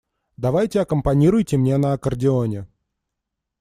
Давайте аккомпанируйте мне на аккордеоне.